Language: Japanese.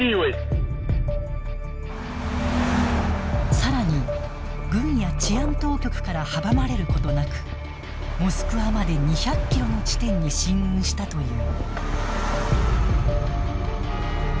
さらに、軍や治安当局から阻まれることなくモスクワまで２００ｋｍの地点に進軍したという。